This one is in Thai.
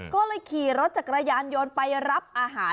ก็เลยขี่รถจักรยานยนต์ไปรับอาหาร